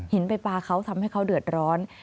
ไปปลาเขาทำให้เขาเดือดร้อน